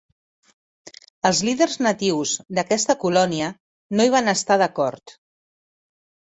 Els líders natius d'aquesta colònia no hi van estar d'acord.